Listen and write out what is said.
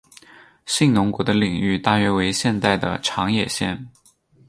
信浓国的领域大约为现在的长野县。